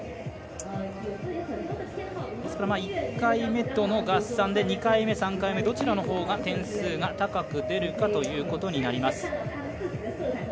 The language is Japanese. １回目との合算で、２回目、３回目とどちらの方が点数が高く出るかということになります。